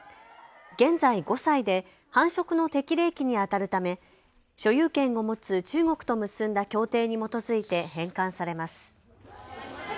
現在５歳で繁殖の適齢期にあたるため所有権を持つ中国と結んだ協定に基づいて返還されます。